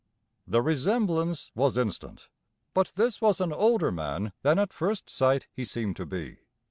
The resemblance was instant, but this was an older man than at first sight he seemed to be.